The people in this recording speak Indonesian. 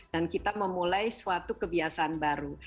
dan kita memulai suatu kebiasaan baru